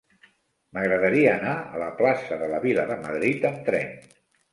M'agradaria anar a la plaça de la Vila de Madrid amb tren.